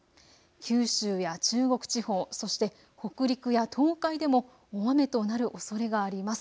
九州や中国地方そして北陸や東海でも大雨となるおそれがあります。